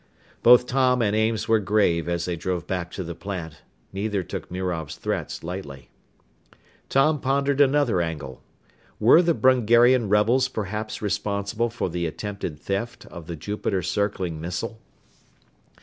Both Tom and Ames were grave as they drove back to the plant. Neither took Mirov's threats lightly. Tom pondered another angle. Were the Brungarian rebels perhaps responsible for the attempted theft of the Jupiter circling missile?